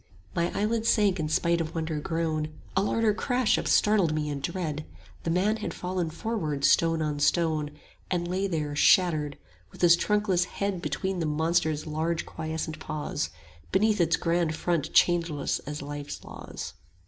My eyelids sank in spite of wonder grown; A louder crash upstartled me in dread: The man had fallen forward, stone on stone, And lay there shattered, with his trunkless head 40 Between the monster's large quiescent paws, Beneath its grand front changeless as life's laws.